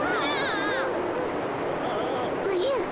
おじゃ。